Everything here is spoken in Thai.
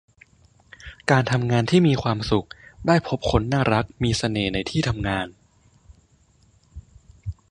การทำงานที่มีความสุข ได้พบคนน่ารักมีเสน่ห์ในที่ทำงาน